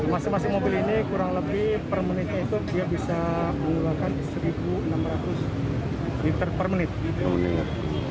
masa masa mobil ini kurang lebih per menit itu dia bisa mengeluarkan seribu enam ratus liter per menit